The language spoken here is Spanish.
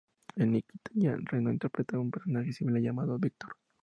En "Nikita", Jean Reno interpreta un personaje similar llamado Victor.